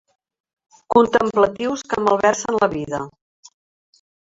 Contemplatius que malversen la vida.